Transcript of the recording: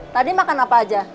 tadi makan apa aja